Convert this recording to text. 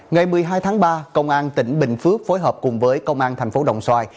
ngày một mươi hai tháng ba công an tỉnh bình phước phối hợp cùng với công an thành phố đồng xoài